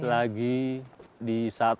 lagi di saat